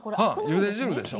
うんゆで汁でしょ。